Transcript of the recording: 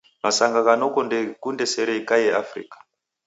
Masanga gha noko ndeghikunde sere ikaie Afrika.